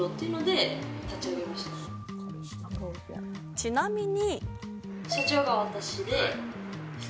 ちなみに。